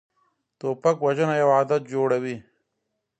توپک وژنه یو عادت جوړوي.